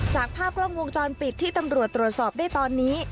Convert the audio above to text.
จากภาพกล้องวงจรปิดที่ตำรวจตรวจสอบได้ตอนนี้